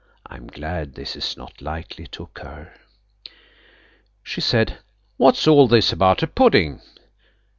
I am glad this is not likely to occur. She said, "What's all this about a pudding?"